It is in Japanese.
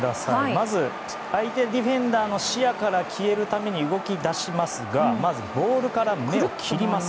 まず、相手ディフェンダーの視野から消えるために動き出しますがまずボールから目を切ります。